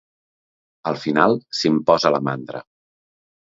Al final s'imposa la mandra.